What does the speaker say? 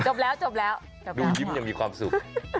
จบแล้วดูยิ้มยังมีความสุข